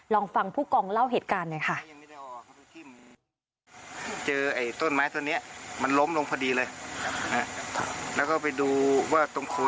ลองฟังผู้กองเล่าเหตุการณ์หน่อยค่ะ